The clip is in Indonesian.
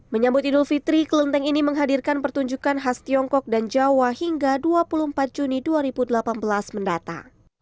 menyambut idul fitri kelenteng ini menghadirkan pertunjukan khas tiongkok dan jawa hingga dua puluh empat juni dua ribu delapan belas mendata